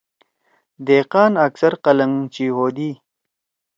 دھقان اکثر قلنکچی ہودی۔